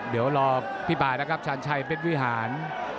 เดี๋ยวรอพี่ป่านะครับชาญชัยเพชรวิหาร